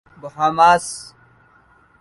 Bahamas